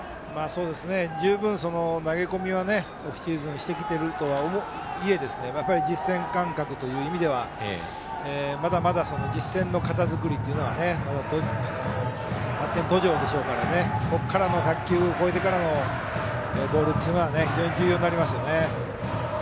十分、投げ込みはオフシーズンにしてきてるとはいえやっぱり実戦感覚という意味ではまだまだ実戦の肩作りは発展途上でしょうからここから１００球超えてからのボールは非常に重要になりますね。